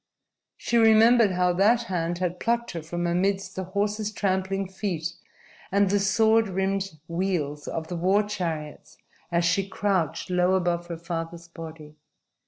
She remembered how that hand had plucked her from amidst the horse's trampling feet and the sword rimmed wheels of the war chariots as she crouched low above her father's body.